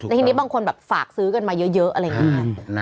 ในที่นี้บางคนฝากซื้อเกินมาเยอะอะไรแบบนี้